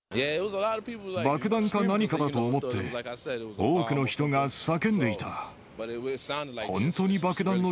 爆弾か何かだと思って、多くの人が叫んでいた。